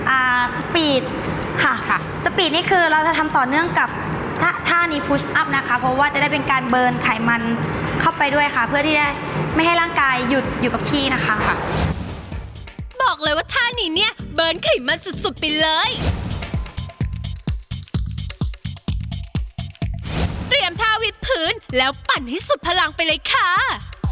อ่าค่ะค่ะค่ะค่ะค่ะค่ะค่ะค่ะค่ะค่ะค่ะค่ะค่ะค่ะค่ะค่ะค่ะค่ะค่ะค่ะค่ะค่ะค่ะค่ะค่ะค่ะค่ะค่ะค่ะค่ะค่ะค่ะค่ะค่ะค่ะค่ะค่ะค่ะค่ะค่ะค่ะค่ะค่ะค่ะค่ะค่ะค่ะค่ะค่ะค่ะค่ะค่ะค่ะค่ะค